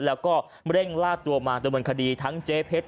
แล้วก็เร่งล่าตัวมาดำเนินคดีทั้งเจ๊เพชร